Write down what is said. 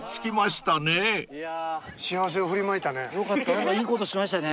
何かいいことしましたね。